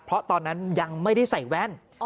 เพราะตอนนั้นยังไม่ได้ใส่แว่น